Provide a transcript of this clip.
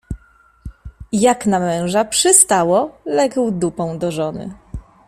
Jak na męża przystało, legł dupą do żony.